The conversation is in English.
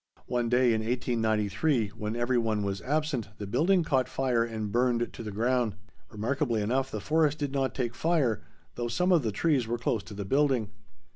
One day in 1893, when every one was absent, the building caught fire and burned to the ground. Remarkably enough the forest did not take fire, though some of the trees were close to the building.